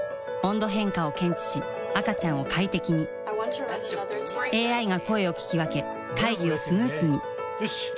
温度変化を検知し赤ちゃんを快適にＡＩが声を聞き分け会議をスムースによし！